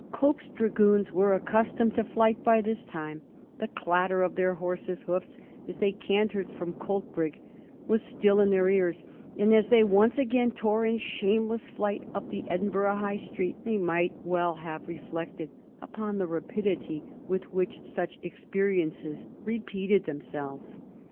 Cope's dragoons were accustomed to flight by this time; the clatter of their horses' hoofs as they cantered from Coltbrigg was still in their ears, and as they once again tore in shameless flight up the Edinburgh High Street they might well have re flected upon the rapidity with which such experiences re peated themselves.